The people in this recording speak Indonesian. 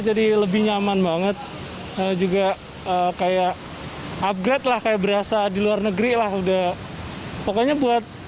jadi lebih nyaman banget juga kayak upgrade lah kayak berasa di luar negeri lah udah pokoknya buat